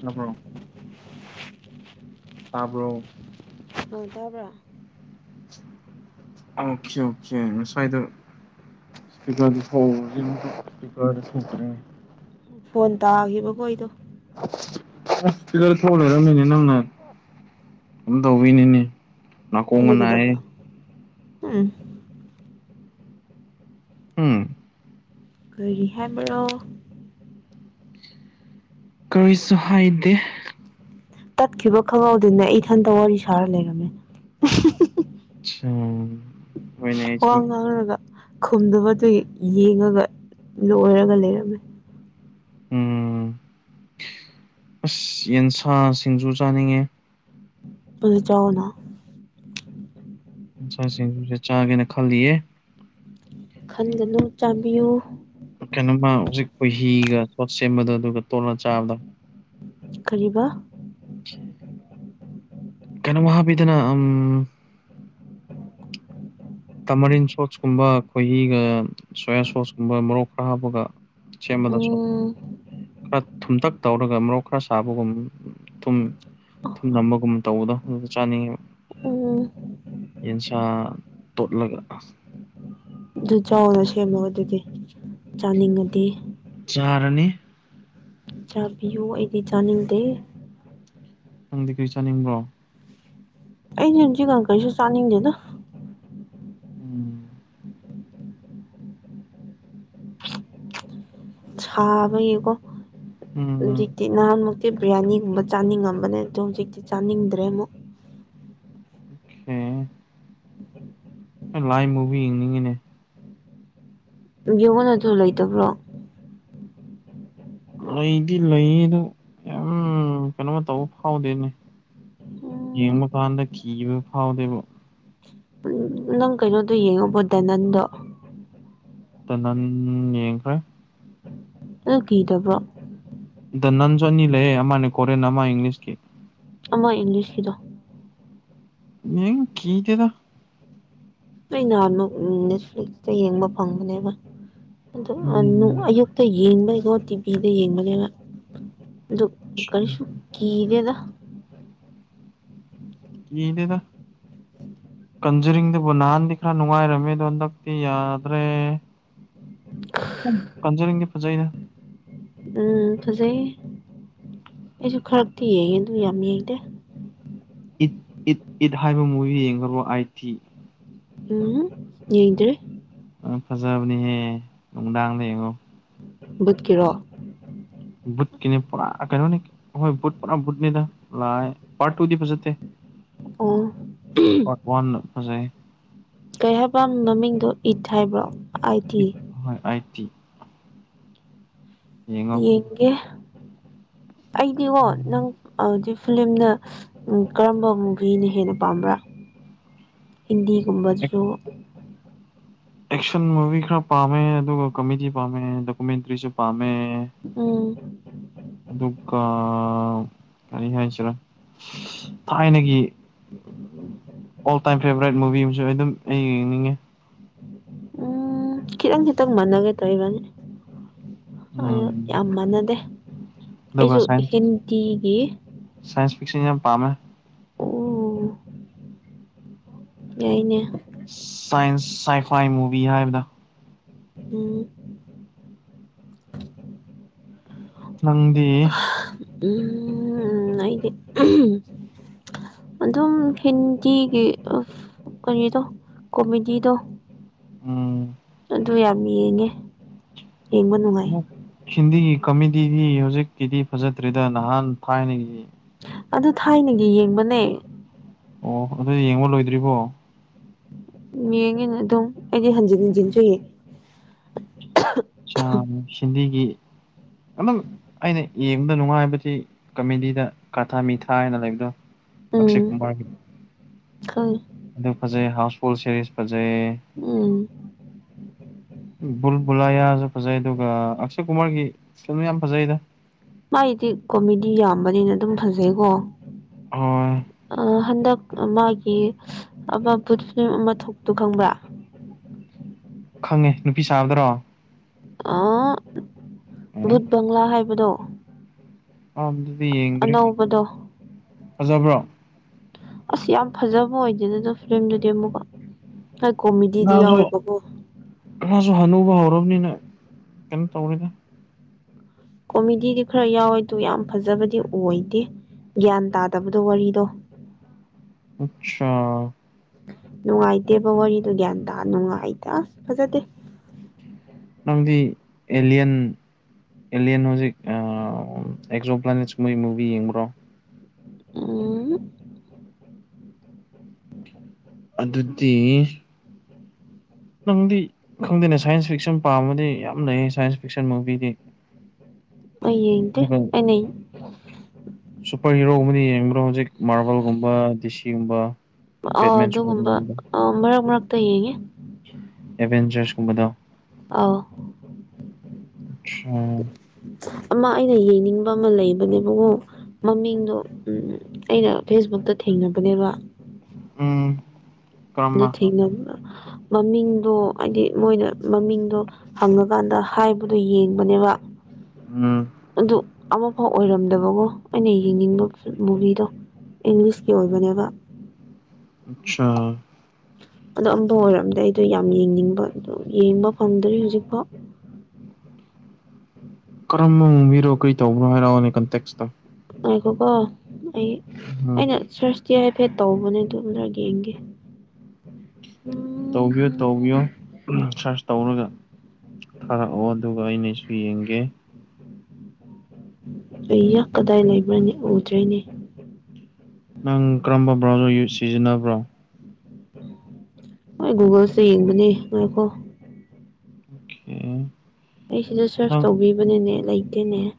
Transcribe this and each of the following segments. ꯇꯥꯕ꯭ꯔꯣ ꯇꯥꯕ꯭ꯔꯣ ꯍꯣꯏ ꯇꯥꯕ꯭ꯔ ꯑꯣꯀꯦ ꯑꯣꯀꯦ ꯉꯁꯥꯏꯗꯣ ꯁ꯭ꯤꯀꯔꯗꯤ ꯁꯧꯋꯦ ꯑꯃꯇ ꯁ꯭ꯤꯀꯔꯗꯤ ꯊꯣꯛꯇ꯭ꯔꯦ ꯐꯣꯟ ꯇꯥꯈꯤꯕ ꯈꯣꯏꯗꯣ ꯍꯁꯄꯤꯔ [unintelligible] ꯊꯣꯅꯔꯃꯤꯅꯦ ꯅꯪꯅ ꯁꯨꯝ ꯇꯧꯕꯩꯅꯤꯅꯦ ꯑꯩꯅ ꯅꯥꯀꯣꯡꯒ ꯅꯥꯏꯌꯦ ꯀꯩꯗꯧꯕ ꯎꯝ [unintelligible] ꯎꯝ [unintelligible] ꯀꯥꯔꯤ ꯍꯥꯏꯕ꯭ꯔꯣ ꯀꯔꯤꯁꯨ ꯍꯥꯏꯗꯦ ꯇꯠꯈꯤꯕ ꯈꯪꯍꯧꯗꯦꯅꯦ ꯑꯩ ꯊꯟꯇ ꯋꯥꯔꯤ ꯁꯥꯔ ꯂꯩꯔꯝꯃꯦ ꯎꯝ ꯋꯥ ꯉꯥꯡꯔꯒ ꯈꯨꯝꯗꯕ ꯗꯨꯒꯤ ꯌꯦꯡꯉꯥꯒ ꯂꯣꯏꯔꯒ ꯂꯩꯔꯝꯃꯦ ꯎꯝ ꯑꯁ ꯌꯦꯟꯁꯥ ꯁꯤꯡꯖꯨ ꯆꯥꯅꯤꯡꯉꯦ ꯑꯗꯨꯗꯤ ꯆꯥꯎꯋꯣꯅꯥ ꯁꯟ ꯁꯤꯡꯖꯨꯁꯨ ꯆꯥꯒꯦꯅ ꯈꯜꯂꯤꯌꯦ ꯈꯟꯒꯅꯨ ꯆꯥꯕꯤꯌꯨ ꯀꯩꯅꯣꯃ ꯍꯧꯖꯤꯛ ꯀꯍꯤꯤꯒ ꯄꯣꯠ ꯁꯦꯝꯕꯗ ꯑꯗꯨꯒ ꯇꯣꯠꯂ ꯆꯥꯕꯗ ꯀꯔꯤꯕ ꯀꯩꯅꯣꯝ ꯍꯥꯞꯕꯤꯗꯅ ꯎꯝ ꯇꯥꯃꯔꯤꯟ ꯁꯣꯁꯀꯨꯝꯕ ꯈꯈꯣꯏꯍꯤꯒ ꯁꯣꯌꯥ ꯁꯣꯁꯀꯨꯝꯕ ꯃꯣꯔꯣꯛ ꯈꯔ ꯍꯥꯞꯄꯒ ꯆꯦꯟꯕꯗꯁꯨ ꯎꯝ ꯈꯔ ꯊꯨꯝꯇꯛ ꯇꯧꯔꯒ ꯃꯣꯔꯣꯛ ꯈꯔ ꯁꯥꯕꯒꯨꯝ ꯊꯨꯝ ꯊꯨꯝꯅꯕꯒꯨꯝ ꯇꯧꯕꯗꯣ ꯆꯥꯅꯤꯡꯉꯤ ꯎꯝ ꯌꯦꯟꯁꯥ ꯇꯣꯠ ꯂꯥꯛꯒ ꯑꯗꯨ ꯆꯥꯎꯅ ꯁꯦꯝꯃꯣ ꯑꯗꯨꯗꯤ ꯆꯥꯅꯤꯡꯉꯗꯤ ꯆꯥꯔꯅꯤ ꯆꯥꯕꯤꯌꯨ ꯑꯩꯗꯤ ꯆꯥꯅꯤꯡꯗꯦ ꯅꯪꯗꯤ ꯀꯔꯤ ꯆꯥꯅꯤꯡꯕ꯭ꯔꯣ ꯑꯩꯩꯅꯁꯤ ꯀ ꯀꯁ ꯆꯥꯅꯤꯡꯗꯦꯗ ꯎꯝ ꯁꯥꯕꯒꯤꯀꯣ ꯎꯝ ꯍꯧꯖꯤꯛꯇꯤ ꯅꯍꯥꯟꯃꯛꯇꯤ ꯁꯤ ꯕꯤ꯭ꯔꯌꯥꯅꯤꯒꯨꯝꯕ ꯆꯥꯅꯤꯡꯉꯝꯕꯅꯦ ꯑꯗꯣ ꯍꯧꯖꯤꯛꯇꯤ ꯆꯥꯅꯤꯡꯗ꯭ꯔꯦ ꯑꯃꯨꯛ [unintelligible] ꯑꯦ ꯂꯥꯏ ꯃꯨꯕꯤ ꯌꯦꯡꯅꯤꯡꯉꯅꯦ ꯌꯡꯉꯟ ꯑꯗꯨ ꯂꯩꯇꯕ꯭ꯔꯣ ꯂꯩꯗꯤ ꯂꯩ ꯑꯗꯨ ꯌꯥꯝ ꯀꯩꯅꯣꯃ ꯇꯧꯕ ꯐꯥꯎꯗꯦꯅꯦ ꯌꯦꯡꯕ ꯀꯥꯟꯗ ꯀꯤꯕ ꯐꯥꯎꯗꯦꯕ ꯅꯪ ꯀꯩꯅꯣꯗꯣ ꯌꯦꯡꯉꯕꯣꯗ ꯅꯪꯗꯣ ꯇ ꯌꯦꯡꯡ ꯀ ꯑ ꯀ ꯇꯕ꯭ꯔꯣ ꯗ ꯅꯟꯁꯨ ꯑꯅꯤ ꯂꯩꯌꯦ ꯑꯃꯅꯦ ꯀꯣꯔꯦꯟꯦꯟ ꯑꯃ ꯏꯪꯂꯤꯁꯀꯤ ꯑꯃꯣꯏ ꯏꯪꯂꯤꯁꯀꯤꯗꯣ ꯃꯤ ꯀꯗꯗ ꯀꯩꯅ ꯅꯦꯠ ꯐ꯭ꯂꯤꯛꯁꯇ ꯌꯦꯡꯕ ꯐꯪꯕꯅꯦꯕ ꯑ ꯎꯝ ꯑꯌꯨꯛꯇ ꯌꯦꯡꯕꯩꯀꯣ ꯇꯤꯚꯤꯗ ꯌꯦꯡꯕꯅꯦꯕ ꯑꯗꯨ ꯑꯆꯥ ꯀꯔꯤꯁꯨ ꯀꯤꯒꯦꯗ ꯌꯦꯗꯗ ꯀꯟꯖꯔꯤꯡꯗꯨꯕꯨ ꯅꯍꯥꯟꯗꯤ ꯈꯔ ꯅꯨꯡꯉꯥꯏꯔꯝꯃꯦꯗꯣ ꯍꯟꯗꯛꯇꯤ ꯌꯥꯗ꯭ꯔꯦ ꯀꯟꯖꯅꯤꯡꯗꯤꯦ ꯐꯖꯩꯅ ꯎꯝ ꯐꯖꯩꯌꯦ ꯑꯩꯁꯨ ꯈꯔꯛꯇ ꯌꯦꯡꯉꯦ ꯑꯗꯨ ꯌꯥꯝ ꯌꯦꯡꯗꯦ ꯏꯠ ꯏꯠ ꯏꯠ ꯍꯥꯏꯕ ꯃꯨꯚꯤ ꯌꯦꯡꯈ꯭ꯔ ꯑꯥꯏ ꯇꯤ ꯎꯝ ꯌꯦꯗ꯭ꯔꯦ ꯎ ꯐꯖꯕꯅꯤꯍꯦ ꯅꯨꯡꯗꯥꯡ ꯂꯩꯌꯦꯡꯉꯣ ꯕꯨꯠꯀꯤꯔꯣ ꯕꯨꯠꯀꯤꯅꯤ ꯄꯨꯔꯥ ꯀꯩꯅꯣꯅꯤ ꯍꯣꯏ ꯕꯨꯠ ꯄꯨꯔꯥ ꯕꯨꯠꯅꯦꯗ ꯂꯥꯏ ꯄꯥꯔꯠ ꯇꯨꯗꯤ ꯐꯖꯠꯇꯦ ꯑꯣ ꯄꯠ ꯋꯥꯟ ꯍꯧꯖꯩ ꯀꯩ ꯍꯥꯏꯕ꯭ꯔ ꯃꯃꯤꯡꯗꯣ ꯏꯠ ꯍꯥꯏꯕ꯭ꯔꯣ ꯑꯥꯏ ꯇꯤ ꯍ ꯑꯣꯏꯛꯇꯤ ꯌꯦꯡꯉꯣ ꯌꯦꯡꯀꯦ ꯑꯩꯗꯤꯉꯣ ꯅꯪꯗꯤ ꯐꯤꯂꯝꯂꯝꯅ ꯀꯔꯝꯕ ꯃꯨꯚꯤꯅ ꯍꯦꯟꯅ ꯄꯥꯝꯕ꯭ꯔꯥ ꯑꯦꯛ ꯍꯤꯟꯗꯤꯒꯨꯝꯕꯗꯨꯁꯨ ꯑꯦꯛꯁꯟ ꯃꯨꯚꯤ ꯈꯔ ꯄꯥꯝꯃꯦ ꯑꯗꯨꯒ ꯀꯃꯦꯗꯤ ꯄꯥꯝꯃꯦ ꯗꯣꯀꯨꯃꯦꯟꯇ꯭ꯔꯤꯁꯨ ꯄꯥꯝꯃꯦ ꯑ ꯑꯗꯨ ꯀ ꯀꯅꯤ ꯍꯥꯏꯁꯤꯔ ꯊꯥꯏꯅꯒꯤ um all time favourite movie ꯑꯃꯁꯨ ꯑꯗꯨꯝ ꯑꯩ ꯌꯦꯡꯅꯤꯡꯉꯤ ꯎꯝ ꯈꯤꯇꯪ ꯈꯤꯇꯪ ꯃꯥꯟꯅꯒꯦ ꯇꯧꯋꯤ ꯏꯕꯅꯤ ꯑ ꯎꯝ ꯌꯥꯝ ꯃꯥꯟꯅꯗꯦ ꯑꯗꯨꯒ ꯑꯩꯁꯨ ꯁꯥꯏꯟꯁ ꯍꯤꯟꯗꯤꯒꯤ ꯁꯥꯏꯟꯁ ꯐꯤꯛꯁꯟ ꯌꯥꯝ ꯄꯥꯝꯃꯦ ꯑꯣ ꯌꯥꯏꯅꯦ ꯁꯥꯏꯟꯁ ꯁꯥꯏꯐꯥꯏ ꯃꯨꯚꯤ ꯍꯥꯏꯕꯗ‌ꯣ ꯎꯝ ꯅꯪꯗꯤ ꯎꯝ ꯑꯩꯗꯤ [unintelligible] ꯑꯗꯨꯝ ꯍꯤꯟꯗꯤꯒꯤ ꯑꯥ ꯀꯔꯤꯗ‌ꯣ ꯀꯣꯃꯦꯗꯤꯗ‌ꯣ ꯎꯝ ꯑꯗꯨ ꯌꯥꯝ ꯌꯦꯡꯉꯦ ꯌꯦꯡꯕ ꯅꯨꯡꯉꯥꯏ ꯍ ꯍꯤꯟꯗꯤꯒꯤ ꯀ‌ꯃ‌ꯦꯗꯤ ꯁꯤ ꯍꯧꯖꯤꯛꯀꯤꯗꯤ ꯐꯖꯗ꯭ꯔ‌ꯦꯗ ꯅꯍꯟ ꯊꯥꯏꯅꯒꯤ ꯑ ꯑꯗꯨ ꯊꯥꯏꯅꯒꯤ ꯌꯦꯡꯕꯅꯦ ꯑꯣ ꯑꯗꯨ ꯌꯦꯡꯕ ꯂꯣꯏꯗ꯭ꯔꯤꯕꯣ ꯌꯦꯡꯉꯦꯅ ꯑꯗꯨꯝ ꯑꯩꯗꯤ ꯍꯟꯖꯤꯟ ꯍꯟꯖꯤꯟꯁꯨ ꯌꯦꯡ ꯁꯌꯝ ꯁꯤꯟꯗꯤꯒꯤ [unintelligible] ꯑꯗꯨꯝ ꯑꯩꯅ ꯌꯦꯡꯕꯗ ꯅꯨꯡꯉꯥꯏꯕꯗꯤ ꯀꯃꯦꯗꯤꯗ ꯀꯥꯊꯥ ꯃꯤꯊꯥ ꯍꯥꯏꯅ ꯂꯩꯕꯗꯣ ꯑꯛꯁ‌ꯦ ꯀꯨꯃꯥꯔꯒꯤ ꯈꯪꯉ‌ꯦ ꯑꯗꯨ ꯐꯖꯩ ꯍꯥꯎꯁ ꯐꯨꯜ ꯁꯦꯔꯤꯁ ꯐꯖꯩ ꯎꯝ ꯖꯩꯌ‌ꯦ ꯕꯨꯜꯕꯨꯂꯥꯌꯥ ꯁꯨ ꯐꯖꯩ ꯑꯗꯨꯒ ꯑꯛꯁ‌ꯦ ꯀꯨꯃꯥꯔꯒꯤ ꯐꯤꯂꯝ ꯌꯥꯝ ꯐꯖꯩꯗ ꯃꯥꯏꯗꯤ ꯀꯣꯃꯦꯗꯤ ꯌꯥꯝꯕꯅꯤꯅ ꯑꯗꯨꯝ ꯐꯖꯩꯀꯣ ꯍꯣꯏ ꯍꯟꯗꯛ ꯃꯥꯒꯤ ꯑꯃ ꯊ‌ꯣꯛꯄꯗ‌ꯣ ꯈꯪꯕ꯭ꯔꯥ ꯈꯪꯉꯦ ꯅꯨꯄꯤ ꯁꯥꯕꯗꯔꯣ ꯎꯝ ꯕꯨꯠ ꯕꯪꯂꯥ ꯍꯥꯏꯕꯗꯣ ꯑ ꯑꯗꯨꯗꯤ ꯌꯦꯡꯗ꯭ꯔꯦ ꯑꯅꯧꯕꯗꯣ ꯐꯖꯕ꯭ꯔꯣ ꯑꯁ ꯌꯥꯝ ꯐꯖꯕ ꯑꯣꯏꯗꯦꯗ ꯗꯨ ꯐꯤꯂꯝꯗꯨꯗꯤ ꯑꯃꯨꯛꯀ ꯑꯩ ꯀꯣꯃꯦꯗꯤꯗꯤ ꯌꯥꯎꯋꯦꯕꯀ‌ꯣ ꯁꯨ ꯍꯅꯨꯕ ꯍꯧꯔꯕꯅꯤꯅ ꯀꯩꯅꯣ ꯇꯧꯔꯤꯗ ꯀꯣꯃꯦꯗꯤꯗꯤ ꯈꯔ ꯌꯥꯎꯋꯦ ꯑꯗꯨ ꯌꯥꯝ ꯐꯖꯕꯗꯤ ꯑꯣꯏꯗꯦ ꯒ꯭ꯌꯥꯟ ꯇꯥꯗꯕꯗꯣ ꯋꯥꯔꯤꯗꯣ ꯑꯆꯥꯥ ꯅꯨꯡꯉꯥꯏꯇꯦꯕ ꯋꯥꯔꯤꯗꯣ ꯒ꯭ꯌꯥꯟ ꯇꯥ ꯅꯨꯡꯉꯥꯏꯗ ꯑꯁ ꯐꯖꯗꯦ ꯅꯪꯗꯤ ꯑꯦꯜꯂꯤꯌꯥꯟ ꯑꯦꯂꯤꯌꯟ ꯍꯧꯖꯤꯛ ꯑꯦꯛꯖꯣ ꯄ꯭ꯂꯥꯅꯦꯠꯁ ꯃꯣꯏ ꯃꯨꯚꯤ ꯌꯦꯡꯕ꯭ꯔꯣ ꯑ ꯑꯗꯨꯗꯤ ꯅꯪꯗꯤ ꯈꯪꯗꯦꯅꯦ ꯁꯥꯏꯟꯁ ꯐꯤꯛꯁꯟ ꯄꯥꯝꯃꯗꯤ ꯌꯥꯝ ꯂꯩ ꯁꯥꯏꯟꯁ ꯐꯤꯛꯁꯟ ꯃꯨꯚꯤꯗꯤ ꯑꯩ ꯌꯦꯡꯇ‌ꯦ ꯑꯗꯨꯒ ꯑꯩꯅ ꯁꯨꯄꯔ ꯍꯤꯔꯣꯒꯨꯝꯕꯗꯤ ꯌꯦꯡꯕꯔ‌ꯣ ꯍꯧꯖꯤꯛ ꯃꯥꯔꯕꯜꯒꯨꯝꯕ ꯗꯤꯁꯤꯒꯨꯝꯕ ꯑ ꯑꯗꯨꯒꯨꯝꯕ ꯑ ꯃꯔꯛ ꯃꯔꯛꯇ ꯌꯦꯡꯉꯦ ꯒꯨꯝꯕꯗ‌ꯣ ꯑꯥꯎ ꯑꯣ ꯑꯃ ꯑꯩꯅ ꯌꯦꯡꯅꯤꯡꯕ ꯑꯃ ꯂꯩꯕꯅꯦꯕꯀ‌ꯣ ꯃꯃꯤꯡꯗꯣ ꯎꯝ ꯑꯩꯅ ꯐꯦꯁꯕꯨꯛꯇ ꯊꯦꯡꯅ ꯗꯨꯅꯦꯕ ꯎꯝ ꯑꯗꯨ ꯀꯔꯝꯕ ꯊꯦꯡꯅ ꯃꯃꯤꯡꯗꯣ ꯍꯥꯏꯗꯤ ꯃꯣꯏꯅ ꯃꯃꯤꯡꯗꯣ ꯍꯪꯉꯀꯥꯟꯗ ꯍꯥꯏꯕꯗꯣ ꯌꯦꯡꯕꯅꯦꯕ ꯎꯝ ꯑꯗꯨ ꯑꯃꯐꯥꯎ ꯑꯣꯏꯔꯝꯗꯕꯀꯣ ꯑꯩꯅ ꯌꯦꯡꯅꯤꯡꯕ ꯃꯨꯚꯤꯗꯣ ꯏꯪꯂꯤꯁꯀꯤ ꯑꯣꯏꯕꯅꯦꯕ ꯑꯆꯥꯥ ꯑꯗꯣ ꯑꯃꯝꯕ ꯑꯣꯏꯔꯝꯗ ꯑꯩꯗꯣ ꯌꯥꯝ ꯌꯦꯡꯅꯤꯡꯕ ꯑꯗꯨ ꯌꯦꯡꯕ ꯐꯪꯗ꯭ꯔꯤ ꯍꯧꯖꯤꯛꯐꯥꯎ ꯎ ꯀꯔꯝꯕ ꯎꯡꯕꯤꯔꯣ ꯀꯩ ꯇꯧꯕ꯭ꯔꯣ ꯍꯥꯏꯔꯛꯑꯣꯅꯦ ꯀꯟꯇꯦꯛꯁꯇ [unintelligible] ꯉꯥꯏꯈꯣꯀꯣ ꯑꯩ ꯎꯝ ꯑꯩꯅ ꯁꯔꯁ ꯆꯦ ꯍꯥꯏꯐꯦꯠ ꯇꯧꯕꯅꯦ ꯑꯗꯨꯝꯗ꯭ꯔ ꯌꯦꯡꯒꯦ ꯇꯧꯕꯤꯌꯣ ꯇꯧꯕꯤꯌꯣ ꯁꯥꯔꯁ ꯇꯧꯔꯒ ꯊꯥꯔꯛꯑꯣ ꯑꯗꯨꯒ ꯑꯩꯅꯁꯨ ꯌꯦꯡꯒꯦ ꯑꯏꯌꯥ ꯀꯗꯥꯏ ꯂꯩꯕꯔꯅꯤ ꯎꯗꯦꯅꯦ ꯅꯪ ꯀꯔꯝꯕ ꯕ꯭ꯔꯥꯎꯖꯔ ꯁꯤꯖꯤꯟꯅꯕ꯭ꯔꯣ ꯍꯣꯏ ꯒꯨꯒꯜꯁꯦ ꯌꯦꯡꯕꯅꯦ ꯉꯣꯏꯈꯣ ꯎꯝ ꯑꯩ ꯁꯤꯗ ꯁꯔꯁ ꯇꯧꯕꯤꯕꯅꯦꯅꯦ ꯂꯩ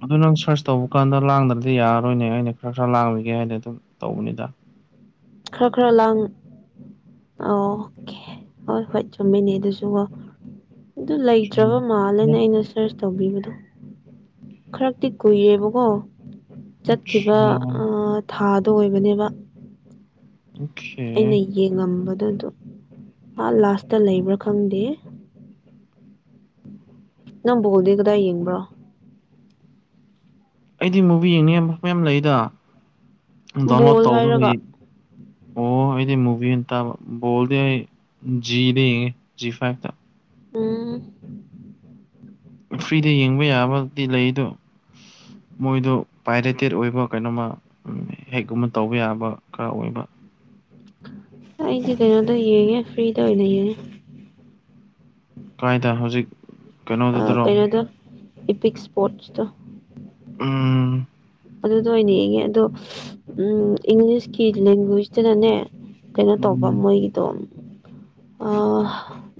ꯑꯗꯨ ꯅꯪ ꯁꯥꯔꯁ ꯇꯧꯕ ꯀꯥꯟꯗ ꯂꯥꯡꯗ꯭ꯔꯗꯤ ꯌꯥꯔꯔꯣꯏꯅꯦ ꯑꯩꯅ ꯈꯔ ꯈꯔ ꯂꯥꯡꯃꯤꯒꯦ ꯍꯥꯏꯅ ꯑꯗꯨꯝ ꯇꯧꯕꯅꯤꯗ ꯈꯔ ꯈꯔ ꯂꯥꯡ ꯑꯣꯀꯦ ꯍꯣꯏ ꯍꯣꯏ ꯆꯨꯝꯃꯤꯅꯤ ꯑꯗꯨꯁꯨꯀꯣ ꯑꯗꯨ ꯂꯩꯇ꯭ꯔꯕ ꯃꯥꯜꯂꯦꯅ ꯑꯩꯅ ꯁꯔꯁ ꯇꯧꯕꯤꯕꯗꯣ ꯈꯔꯛꯇꯤ ꯀꯨꯏꯌꯦꯕꯀꯣ ꯆꯠꯈꯤꯕ ꯊꯥꯗ ꯇ ꯑꯣꯏꯕꯅꯦꯕ ꯑꯣꯀꯦ ꯑꯩꯅ ꯌꯦꯡꯉꯝꯕꯗ ꯑꯗꯨ ꯍꯥ ꯂꯥꯁꯇ ꯂꯩꯕ꯭ꯔꯥ ꯈꯪꯗꯦ ꯅꯪ ꯕꯣꯜꯗꯤ ꯀꯗꯥꯏ ꯌꯦꯡꯕ꯭ꯔꯣ ꯑꯩꯗꯤ ꯃꯨꯚꯤ ꯌꯦꯡꯅꯤꯡꯉ ꯃꯌꯥꯝ ꯂꯩꯗ ꯗꯥꯎꯟꯂꯣꯗ ꯕꯣꯜ ꯍꯥꯏꯔꯒ ꯇꯧꯕꯒꯤ ꯑꯣ ꯑꯩꯗꯤ ꯃꯨꯕꯤ ꯑꯣꯏꯅ ꯇꯥꯕ ꯑꯩꯗꯤ ꯖꯤ ꯖꯤꯐꯤꯚꯦ ꯇꯥ ꯌꯦ ꯑꯥ ꯎꯝ ꯐ꯭ꯔꯤꯗ ꯌꯦꯡꯕ ꯌꯥꯕꯗꯤ ꯂꯩꯗꯣ ꯃꯣꯏꯗꯣ ꯄꯥꯏꯔꯦꯇꯦꯠ ꯑꯣꯏꯕ ꯀꯩꯅꯣꯃ ꯍꯦꯛꯒꯨꯝꯕ ꯇꯧꯕ ꯌꯥꯕ ꯈꯔ ꯑꯣꯏꯕ ꯑꯩꯗꯤ ꯀꯩꯅꯣꯗ ꯌꯦꯡꯉꯦ ꯐ꯭ꯔꯤꯗ ꯑꯣꯏꯅ ꯌꯦꯡꯉꯦ ꯀꯥꯏꯗ ꯍꯧꯖꯤꯛ ꯀꯩꯅꯣꯗꯨꯗꯔꯣ ꯀꯩꯅꯣꯗ ꯏꯄꯤꯛ ꯏꯁꯄꯣꯔꯠꯁꯇꯣ ꯎꯝ ꯑꯗꯨꯗ ꯑꯣꯏꯅ ꯌꯦꯡꯉꯦ ꯑꯗꯣ ꯎꯝ ꯏꯪꯂꯤꯁꯀꯤ ꯂꯦꯡꯒ꯭ꯋꯦꯁꯇꯅꯅꯦ ꯀꯩꯅꯣ ꯇꯧꯕ ꯎꯝ ꯃꯣꯏꯒꯤꯗꯣ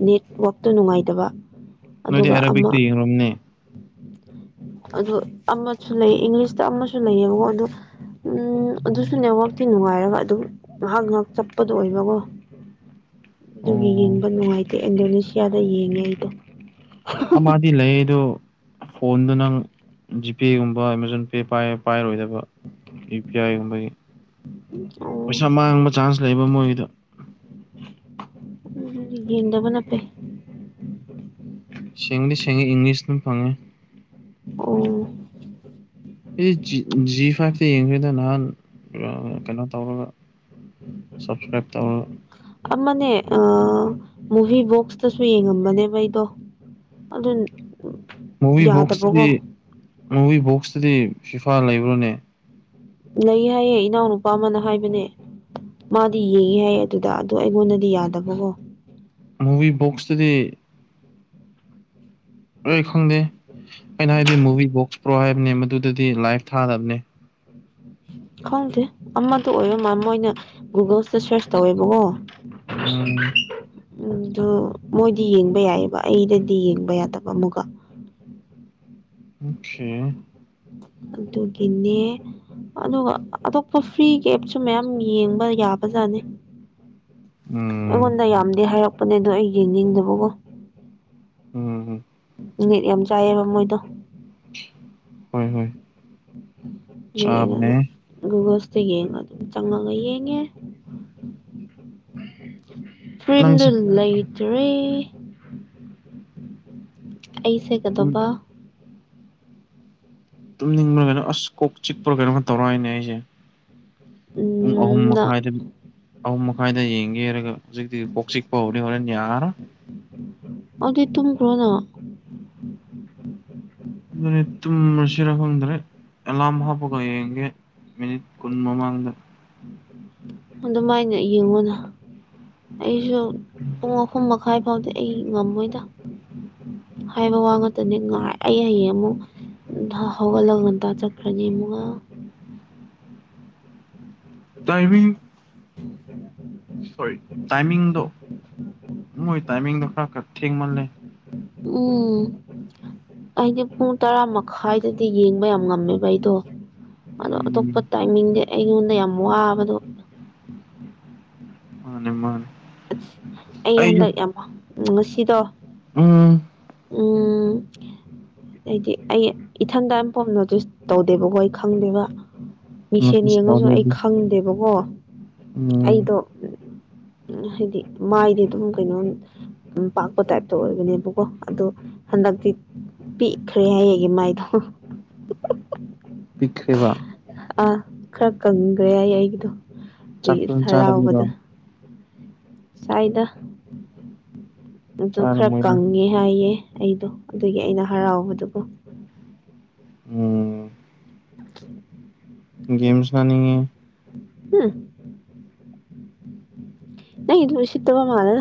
ꯅꯦꯠꯋꯥꯛꯇ ꯅꯨꯡꯉꯥꯏꯇꯕ ꯅꯣꯏꯗꯤ ꯑꯗꯨꯒ ꯑꯔꯕꯤꯛ ꯑꯃ ꯌꯦꯂꯝꯅꯤ꯫ ꯑꯗꯨ ꯑꯃꯁꯨ ꯂꯩ ꯏꯪꯂꯤꯁꯇ ꯑꯃꯁꯨ ꯂꯩꯌꯦꯕꯀꯣ ꯑꯗꯨ ꯎꯝ ꯑꯗꯨꯁꯨ ꯅꯦꯠꯋꯥꯛꯇꯤ ꯅꯨꯡꯉꯥꯏꯔꯒ ꯑꯗꯨꯝ ꯉꯥꯏꯍꯥꯛ ꯉꯥꯏꯍꯥꯛ ꯆꯠꯄꯗꯣ ꯑꯣꯏꯕꯀꯣ ꯑꯗꯨꯒꯤ ꯑꯣ ꯌꯦꯡꯕ ꯅꯨꯡꯉꯥꯏꯇꯦ ꯏꯟꯗꯣꯅꯦꯁꯤꯌꯥꯗ ꯌꯦꯡꯉꯦ ꯑꯩꯗꯣ ꯑꯃꯗꯤ ꯂꯩꯌꯦ ꯑꯗꯨ ꯐꯣꯟꯗꯨ ꯅꯪ ꯖꯤꯄꯦꯒꯨꯝꯕ ꯑꯃꯥꯥꯖꯣꯟ ꯄꯦ ꯄꯥꯏꯔꯣꯏꯗꯕ ꯏ ꯄꯤ ꯑꯥꯏꯒꯨꯝꯕꯒꯤ ꯑꯣ ꯄꯩꯁꯥ ꯃꯥꯡꯕ ꯆꯥꯟꯁ ꯂꯩꯕ ꯃꯣꯏꯗ ꯎꯝ ꯌꯦꯟꯗꯕ ꯐꯩ ꯁꯦꯡꯗꯤ ꯁꯦꯡꯦ ꯏꯪꯂꯤꯁꯅ ꯐꯪꯉꯦ ꯑꯣꯝ ꯑꯩ ꯖꯤ ꯐꯥꯏꯇ ꯌꯦꯡꯗꯗ ꯅꯍꯥꯟ ꯀꯩꯅꯣ ꯇꯧꯔꯒ ꯁꯞꯁꯀ꯭ꯔꯥꯏꯕ ꯇꯥꯧꯕꯣ ꯑꯃꯅꯦ ꯃꯨꯚꯤ ꯕꯣꯛꯁꯇꯁꯨ ꯌꯦꯡꯉꯝꯕꯅꯦꯕ ꯑꯩꯗꯣ ꯑꯗꯨ ꯃꯨꯚꯤ ꯕꯣꯛꯁꯇꯗꯤ ꯌꯥꯗꯕꯀꯣ ꯃꯨꯚꯤ ꯕꯣꯛꯁꯇꯗꯤ ꯐꯤꯐꯥ ꯂꯩꯕ꯭ꯔꯣꯅꯦ ꯂꯩ ꯍꯥꯏꯌꯦ ꯏꯅꯥꯎꯅꯨꯄꯥ ꯑꯃꯅ ꯍꯥꯏꯕꯅꯦ ꯃꯥꯗꯤ ꯌꯦꯡꯉꯤ ꯍꯥꯏ ꯑꯗꯨꯗ ꯑꯗꯨꯗꯣ ꯑꯩꯉꯣꯟꯗꯗꯤ ꯌꯥꯗꯕꯀꯣ ꯃꯨꯚꯣꯛꯁꯇꯗꯤ ꯑꯩ ꯈꯪꯗꯦ ꯑꯩꯅ ꯍꯥꯏꯕꯗꯤ ꯃꯨꯚꯤ ꯕꯣꯛꯁ ꯄ꯭ꯔꯣ ꯍꯥꯏꯕꯅꯦ ꯃꯗꯨꯗꯗꯤ ꯂꯥꯏꯚ ꯊꯥꯗꯕꯅꯦ ꯈꯪꯗꯦ ꯑꯃꯗ ꯑꯣꯏꯔ ꯃꯥ ꯃꯣꯏꯅ ꯒꯨꯒꯜꯁꯤꯗ ꯁꯔꯁ ꯇꯧꯋꯦꯕꯀꯣ ꯎꯝ ꯎ ꯑꯗꯨ ꯃꯣꯏꯗꯤ ꯌꯦꯡꯕ ꯌꯥꯏꯑꯕ ꯑꯩꯗꯗꯤ ꯌꯦꯡꯕ ꯌꯥꯗꯕ ꯑꯃꯒ [inaudible] ꯊ ꯑꯗꯨꯒꯤꯅꯦ ꯑꯗꯨꯒ ꯑꯇꯣꯞꯄ ꯐ꯭ꯔꯤ ꯀꯦꯞꯁꯨ ꯃꯌꯥꯝ ꯌꯦꯡꯕ ꯌꯥꯕꯖꯥꯠꯅꯤ ꯎꯝ ꯑꯩꯉꯣꯟꯗ ꯌꯥꯝꯗꯤ ꯍꯥꯏꯔꯛꯄꯅꯦ ꯑꯗꯣ ꯑꯩ ꯌꯦꯡꯅꯤꯡꯗꯕꯀꯣ ꯎꯝ ꯃꯤꯅꯤꯠ ꯌꯥꯝ ꯆꯥꯏꯑꯕ ꯃꯣꯏꯗꯣ ꯍꯣꯏ ꯍꯣꯏ ꯆꯥꯕꯅꯦ ꯌꯦꯩꯅ ꯨꯒꯜ ꯆ ꯌꯦꯡꯉ ꯑꯗꯨꯝ ꯆꯪꯉꯒ ꯌꯦꯡꯉꯦ ꯅꯪꯁꯤ ꯐꯔꯤꯝꯗꯨꯜ ꯂꯩꯇ꯭ꯔꯦ ꯑꯩꯁꯦꯒꯗꯧꯕ ꯇꯨꯝꯅꯤꯡꯕ꯭ꯔꯥ ꯀꯩꯅꯣ ꯑꯁ ꯀꯣꯛ ꯆꯤꯛꯄ꯭ꯔꯣ ꯀꯩꯅꯣ ꯈ ꯇꯧꯔꯛꯑꯏꯅꯦ ꯑꯩꯁꯦ ꯄꯨꯡ ꯑꯍꯨꯝ ꯅ ꯃꯈꯥꯏꯗ ꯑꯍꯨꯝ ꯃꯈꯥꯏꯗ ꯌꯦꯡꯒꯦꯔꯒ ꯍꯧꯖꯤꯛꯇꯤ ꯀꯣꯛ ꯆꯤꯛꯄ ꯍꯧꯔꯦ ꯍꯣꯔꯦꯟ ꯌꯥꯔ ꯑꯗꯨꯗꯤ ꯇꯝ ꯀ꯭ꯔꯣꯅ ꯑꯗꯨꯅꯤꯠꯇ ꯁꯤꯔꯈꯗ꯭ꯔꯦ ꯑꯦꯂꯃ ꯄꯒ ꯌꯦꯒꯦ ꯃꯤꯅꯤꯠ ꯈꯨꯟꯃꯗ ꯑꯗꯨꯃꯥꯏꯅ ꯌꯦꯡꯉꯨꯅ ꯑꯩꯁꯨ ꯄꯨꯡ ꯑꯍꯨꯝ ꯃꯈꯥꯏ ꯐꯥꯎꯗꯤ ꯑꯩ ꯉꯝꯃꯣꯏꯗ ꯍꯥꯏꯕ ꯋꯥ ꯉꯥꯛꯇꯅꯤ ꯉꯥꯏ ꯑꯩ ꯍꯌꯦꯡ ꯑꯃꯨꯛ ꯍꯧꯒꯠꯂꯒ ꯉꯇꯥ ꯆꯠꯈ꯭ꯔꯅꯤ ꯏ ꯃꯨꯉ ꯇꯥꯏꯃꯤ ꯎ ꯇꯣꯏ ꯇꯥꯏ ꯈꯔ ꯊ ꯃ ꯂꯩ ꯎꯝ ꯑꯩꯗꯤ ꯄꯨꯡ ꯇꯔꯥ ꯃꯈꯥꯏꯗꯗꯤ ꯌꯦꯡꯕ ꯌꯥꯝ ꯉꯝꯃꯦꯕ ꯑꯩꯗꯣ ꯑꯗꯣ ꯎꯝ ꯑꯇꯣꯞꯄ ꯇꯥꯏꯃꯤꯡꯗꯤ ꯑꯩꯉꯣꯟꯗ ꯌꯥꯝ ꯋꯥꯕꯗꯣ ꯑꯅꯤꯃꯅꯦ ꯑ ꯑꯩ ꯍꯟꯗꯛ ꯌꯥꯝꯃꯣ ꯉꯁꯤꯗꯣ ꯎꯝ ꯎꯝ ꯍꯥꯏꯗꯤ ꯑꯩ ꯏꯊꯟꯗ ꯑꯝ ꯄꯣꯝ ꯅꯣꯇꯤꯁ ꯇꯧꯗꯦꯕꯈꯣꯏ ꯈꯪꯗꯦꯕ ꯃꯤꯁꯦꯟ ꯅꯣꯇꯤꯁ ꯌꯦꯡꯉꯁꯨ ꯇꯧꯔꯦ ꯑꯩ ꯑꯗꯨ ꯈꯪꯗꯦꯕꯀꯣ ꯎꯝ ꯑꯩꯗꯣ ꯍꯥꯏꯗꯤ ꯃꯥꯏꯗꯤ ꯑꯗꯨꯝ ꯀꯩꯅꯣ ꯎ ꯄꯥꯛꯄ ꯇꯥꯏꯞꯇ ꯑꯣꯏꯕꯅꯦꯕꯀꯣ ꯑꯗꯣ ꯍꯟꯗꯛꯇꯤ ꯄꯤꯛꯈ꯭ꯔꯦ ꯍꯌꯦꯡꯒꯤ ꯃꯥꯏꯗꯣ ꯄꯤꯈ꯭ꯔꯦꯕ ꯑꯥ ꯈꯔ ꯀꯪꯈ꯭ꯔꯦ ꯌꯥꯏ ꯑꯩꯒꯤꯗꯣ ꯆꯥꯛ ꯑꯗꯒꯤ ꯐꯖꯅ ꯆꯥꯗꯕꯤꯔꯣ ꯍꯔꯥꯎꯕꯗ ꯁ꯭ꯋꯥꯏꯗ ꯑꯗꯨ ꯈꯔ ꯆꯥꯔꯝꯃꯣꯏꯗ ꯀꯪꯉꯦ ꯍꯥꯏꯌꯦ ꯑꯩꯗꯣ ꯑꯗꯨꯒꯤ ꯑꯩꯅ ꯍꯔꯥꯎꯕꯗꯨꯕꯨꯣ ꯎꯝ ꯒꯦꯝ ꯁꯅꯤꯡꯉꯦ ꯍꯥ ꯅ ꯑꯗꯨꯁꯤꯠꯇꯕ ꯃꯥꯔ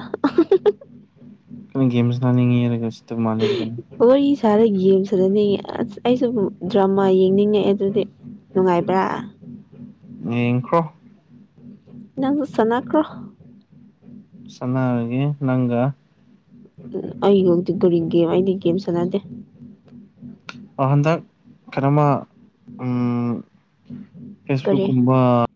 ꯀꯩꯅ ꯒꯦꯝꯁ ꯈꯅꯤꯡꯉꯔ ꯑꯣ ꯏꯁꯥꯗ ꯌꯦꯡꯁꯨꯖꯅꯤꯡꯉꯤ ꯑꯁ ꯑꯩꯁꯨ ꯗ꯭ꯔꯃꯥ ꯌꯦꯡꯅꯤꯡꯉꯛꯑꯦ ꯑꯗꯨꯗꯤ ꯅꯨꯡꯉꯥꯏꯕ꯭ꯔꯥ ꯌꯦꯡꯈ꯭ꯔꯣ ꯅꯁꯨ ꯁꯣꯅꯥ ꯀ꯭ꯔꯣ ꯆꯉꯒꯤ ꯅꯪ ꯎ ꯑꯩ ꯍꯧꯗꯤꯤ ꯨꯔꯤꯡꯒꯦꯝ ꯑꯩꯗꯤ ꯒꯦꯝ ꯆꯥꯟꯅꯗꯦ ꯍꯟꯗꯛ ꯀꯩꯅꯣꯃ ꯎꯝ ꯐꯦꯁꯕꯨꯛ ꯀꯔꯤ ꯀꯨꯝꯕ